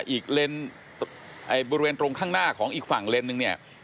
อีกเลนบริเวณตรงข้างหน้าของอีกฝั่งเลนส์นึงเนี่ย